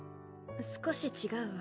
少し違うわ。